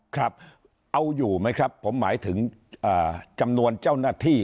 ครับเอาอยู่ไหมครับผมหมายถึงจำนวนเจ้าหน้าที่